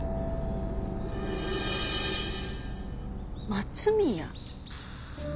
「松宮」。